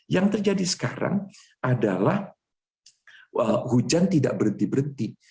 yang terjadi sekarang adalah hujan tidak berhenti berhenti